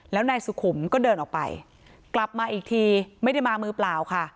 แล้วนายสุขุมก็เดินออกไปกลับมาอีกทีไม่ได้มามือเปล่าค่ะ